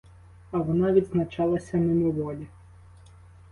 А вона відзначалася мимоволі.